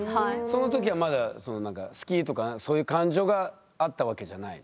その時はまだ好きとかそういう感情があったわけじゃない。